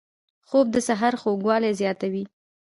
خوب د سحر خوږوالی زیاتوي